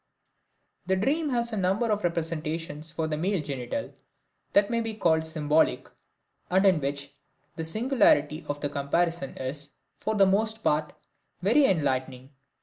The dream has a number of representations for the male genital that may be called symbolic, and in which the similarity of the comparison is, for the most part, very enlightening.